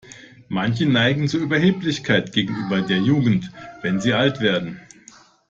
Manche neigen zu Überheblichkeit gegenüber der Jugend, wenn sie alt werden.